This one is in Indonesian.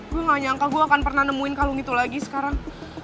gue gak nyangka gue akan pernah nemuin kalung itu lagi sekarang